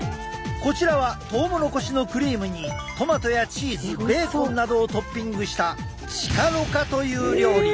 こちらはトウモロコシのクリームにトマトやチーズベーコンなどをトッピングしたチカロカという料理。